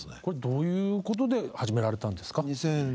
これどういうことで始められたんですか？